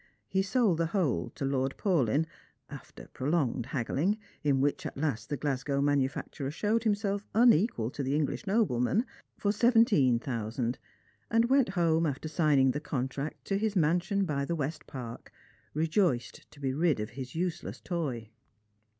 He sold the whole to Lord Paulyn — after prolonged hagghng, in which at last the Glasgow manufacturer showed himself unequal to the English nobleman — for seventeen thousand, and went home, after signing the contract, to his •mansion by the West Park, rejoiced to be rid of his useless toy.